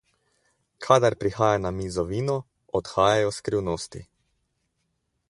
Kadar prihaja na mizo vino, odhajajo skrivnosti.